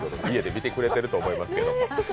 家で見てくれてると思います。